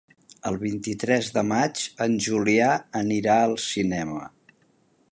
El vint-i-tres de maig en Julià anirà al cinema.